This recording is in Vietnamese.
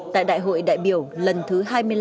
tại đại hội đại biểu lần thứ hai mươi năm